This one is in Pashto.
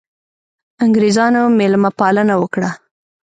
انګرېزانو مېلمه پالنه وکړه.